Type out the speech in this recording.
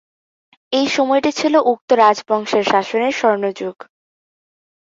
এই সময়টি ছিল উক্ত রাজবংশের শাসনের স্বর্ণযুগ।